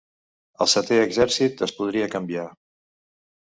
El Setè Exèrcit es podria canviar.